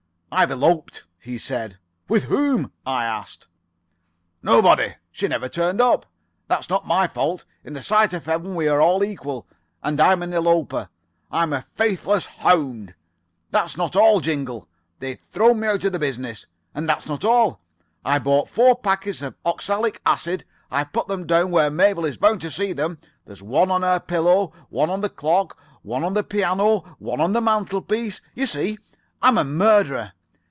"'I've eloped,' he said. "'With whom?' I asked. "'Nobody. She never turned up. That's not my fault. In the sight of Heaven we are all equal, and I'm an eloper. I'm a faithless hound. That's not all, Jingle. They've thrown me out of the business. And that's not all. I bought four packets of oxalic acid. I've put them down where Mabel is bound to see them. There's one on her pillow, one on the clock, one on the piano, and one on the mantelpiece. You see? I'm a murderer.